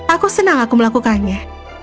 aku senang aku melakukannya